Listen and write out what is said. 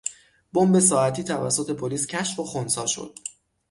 بمب ساعتی توسط پلیس کشف و خنثی شد.